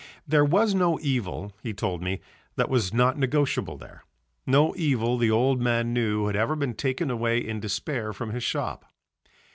There was no evil, he told me, that was not negotiable there; no evil the old man knew had ever been taken away in despair from his shop.